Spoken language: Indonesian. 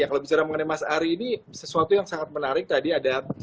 kalau bicara mengenai mas ari ini sesuatu yang sangat menarik tadi ada